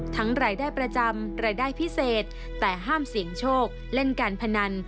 รายได้ประจำรายได้พิเศษแต่ห้ามเสี่ยงโชคเล่นการพนัน